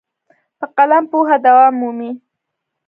په قلم پوهه دوام مومي.